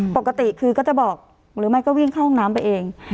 ปกติคือก็จะบอกหรือไม่ก็วิ่งเข้าห้องน้ำไปเอง